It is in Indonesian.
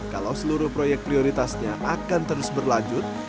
kalau seluruh proyek prioritasnya akan terus berlanjut